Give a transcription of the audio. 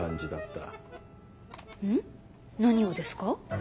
ん？何をですか？